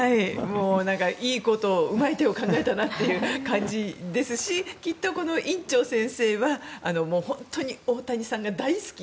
いいことをうまい手を考えたなという感じですしきっと、この院長先生は本当に大谷さんが大好き。